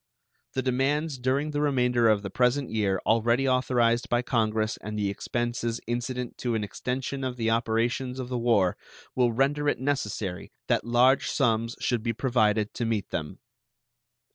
The demands during the remainder of the present year already authorized by Congress and the expenses incident to an extension of the operations of the war will render it necessary that large sums should be provided to meet them.